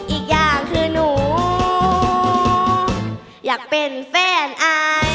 อีกอย่างคือหนูอยากเป็นแฟนอาย